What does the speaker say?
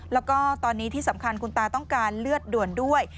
แล้วก็ตอนนี้ที่สำคัญคุณตาต้องการเลือดด่วนด้วย